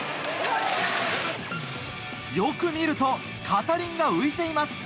よく見ると片輪が浮いています。